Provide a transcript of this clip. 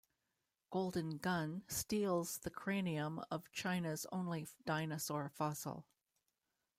Golden Gun steals the cranium of China's only dinosaur fossil.